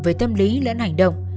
với tâm lý lẫn hành động